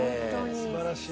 素晴らしい。